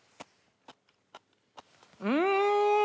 うん！